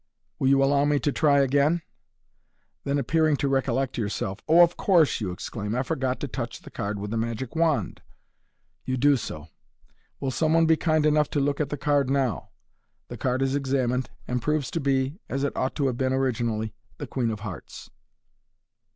Will you allow me to try again ?" Then, appearing to recollect yourself, " Oh, of course !"" you exclaim, " I forgot to touch the card with the magic wand." You do so. " Will some one be kind enough to look at the card now ?" The card is examined, and proves to be, as it ought to have been originally, the queen of hearts.